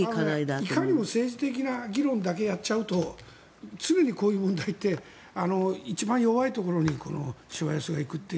いかにも政治的な議論だけやっちゃうと常にこういう問題って一番弱いところにしわ寄せが行くという。